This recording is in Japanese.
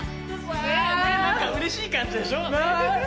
ねえねえ何かうれしい感じでしょ？